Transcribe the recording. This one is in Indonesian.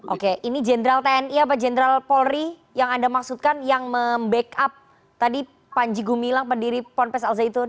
oke ini general tni apa general polri yang anda maksudkan yang memback up tadi panji gumilang pendiri pondok pesantren al zaitun